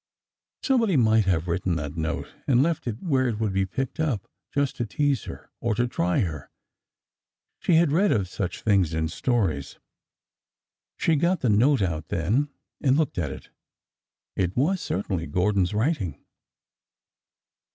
Somebody might have written that note and left it where it would be picked up— just to tease her or to try her— she had read of such things in stories. She got the note out then and looked at it. ... It was certainly Gordon's writing.